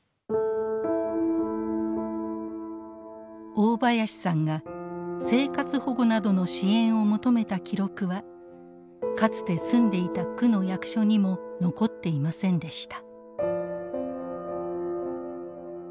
大林さんが生活保護などの支援を求めた記録はかつて住んでいた区の役所にも残っていませんでした。